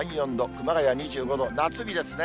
熊谷２５度、夏日ですね。